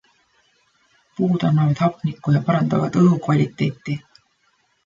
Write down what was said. Puud annavad hapnikku ja parandavad õhukvaliteeti.